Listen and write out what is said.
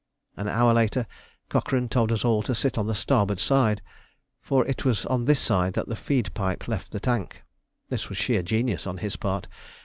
An hour later, Cochrane told us all to sit on the starboard side, for it was on this side that the feed pipe left the tank. This was sheer genius on his part.